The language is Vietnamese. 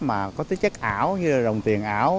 mà có tính chất ảo như đồng tiền ảo